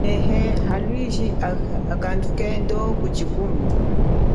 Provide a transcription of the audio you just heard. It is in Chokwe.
Myea a kalwiji kakadhuka ndo kuchikuma.